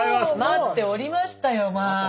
待っておりましたよ